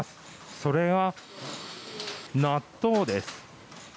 それは納豆です。